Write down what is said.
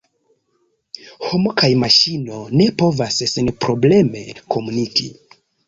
Homo kaj maŝino ne povas senprobleme komuniki.